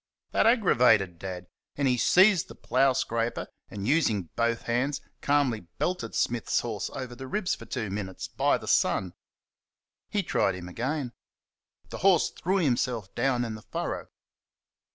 That aggravated Dad, and he seized the plough scraper, and, using both hands, calmly belted Smith's horse over the ribs for two minutes, by the sun. He tried him again. The horse threw himself down in the furrow.